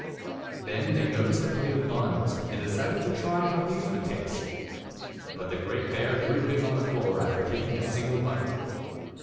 Then they noticed a plate of buns, and decided to try how these would taste; but the great bear threw his on the floor after taking a single bite.